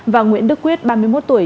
và nguyễn đức quyết ba mươi một tuổi